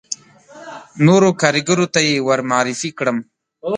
نورو کاریګرو ته یې ور معرفي کړم.